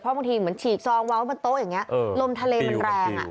เพราะบางทีเหมือนฉีกซองวาวบนโต๊ะอย่างเงี้ยเออลมทะเลมันแรงอ่ะ